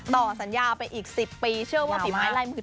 ต่อสัญญาไปอีก๑๐ปีเชื่อว่าฝีไม้ลายมือ